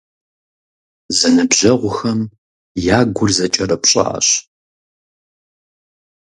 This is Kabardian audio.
Зэныбжьэгъухэм я гур зэкӀэрыпщӀащ.